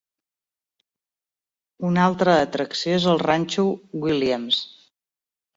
Una altra atracció és el ranxo Williams.